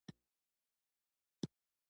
په ناول کې لولو چې کیسه داسې راواخیسته.